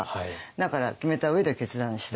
だから決めた上で決断して。